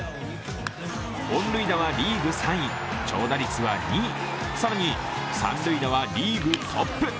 本塁打はリーグ３位、長打率は２位、更に三塁打はリーグトップ。